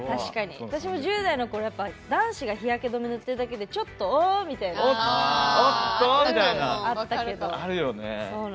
私も１０代のころ男子が日焼け止め塗ってるだけでちょっと、お？みたいなのあったけど。